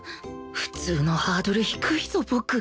普通のハードル低いぞ僕